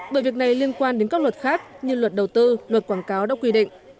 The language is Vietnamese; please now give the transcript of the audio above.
bởi việc này liên quan đến các luật khác như luật đầu tư luật quảng cáo đã quy định